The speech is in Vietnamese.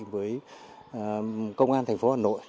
với công an thành phố hà nội